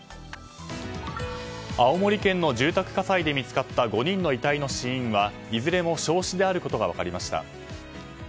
青森県の住宅火災で見つかった５人の遺体の死因はいずれも焼死であることが分かりました。